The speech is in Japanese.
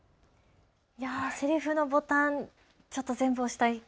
せりふのボタン、ちょっと全部、押したい。